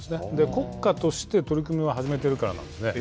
国家として、取り組みを始めているからなんですね。